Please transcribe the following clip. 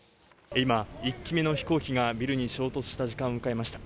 今、１機目の飛行機がビルに衝突した時間を迎えました。